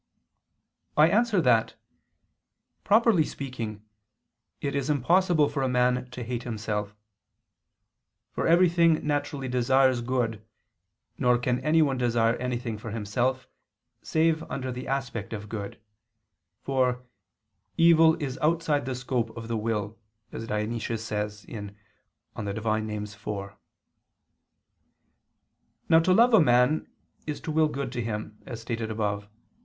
I answer that, Properly speaking, it is impossible for a man to hate himself. For everything naturally desires good, nor can anyone desire anything for himself, save under the aspect of good: for "evil is outside the scope of the will," as Dionysius says (Div. Nom. iv). Now to love a man is to will good to him, as stated above (Q.